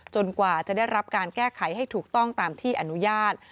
กว่าจะได้รับการแก้ไขให้ถูกต้องตามที่อนุญาต